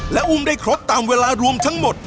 และอุ้มได้ครบตามเวลารวมทั้งหมด